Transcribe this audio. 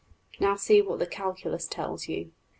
Now see what the calculus tells you.